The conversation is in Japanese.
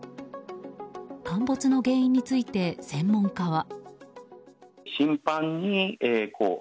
陥没の原因について専門家は。